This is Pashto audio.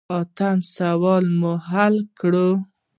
اته سواله مې حل کړه.